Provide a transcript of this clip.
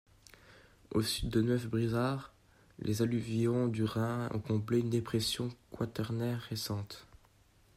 Au sud de Neuf-Brisach, les alluvions du Rhin ont comblé une dépression quaternaire récente.